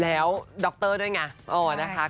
แล้วด็อคเตอร์ด้วยไงโอ้วนะคะ